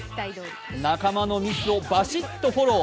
仲間のミスをバシッとフォロー。